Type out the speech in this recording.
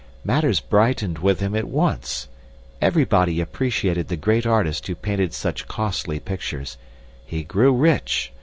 Matters brightened with him at once. Everybody appreciated the great artist who painted such costly pictures. He grew rich.